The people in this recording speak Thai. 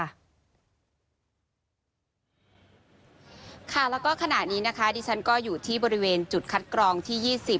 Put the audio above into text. ค่ะแล้วก็ขณะนี้นะคะดิฉันก็อยู่ที่บริเวณจุดคัดกรองที่๒๐